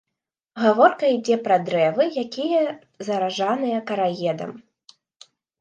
Гаворка ідзе пра дрэвы, якія заражаныя караедам.